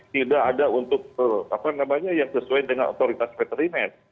tidak ada untuk apa namanya yang sesuai dengan otoritas veterinet